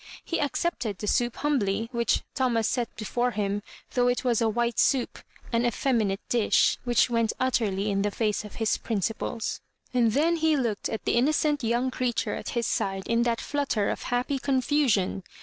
He ac cepted the soup humbly, which Thomas set before him, though it was a white soup, an eflfe minate dish, which went utterly in the face of his principles. And then he looked at the innocent young creature at his side in that flutter of happy confusion.